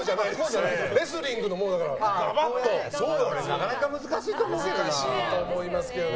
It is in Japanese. なかなか難しいと思うけどな。